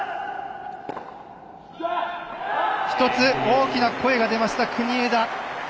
一つ大きな声が出ました、国枝。